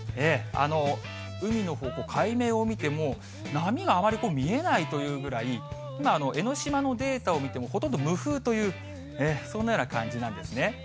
海の方向、海面を見ても、波があまり見えないというぐらい、今、江の島のデータを見ても、ほとんど無風という、そんなような感じなんですね。